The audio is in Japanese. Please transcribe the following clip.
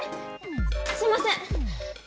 すいません！